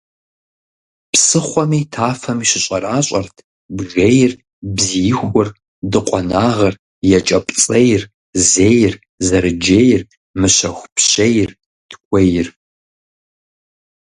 Псыхъуэми тафэми щыщӀэращӀэрт бжейр, бзиихур, дыкъуэнагъыр, екӀэпцӀейр, зейр, зэрыджейр, мыщэхупщейр, тхуейр.